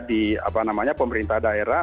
di apa namanya pemerintah daerah